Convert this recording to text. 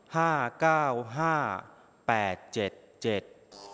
ห้าเก้าห้าแปดเจ็ดเจ็ด